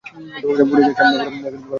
ভুলে যাস না।